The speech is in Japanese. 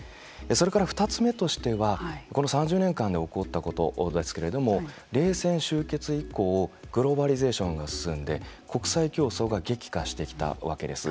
それから２つ目としてはこの３０年間で起こったことですけれども冷戦終結以降グローバリゼーションが進んで国際競争が激化してきたわけです。